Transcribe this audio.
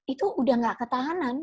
itu sudah tidak ketahanan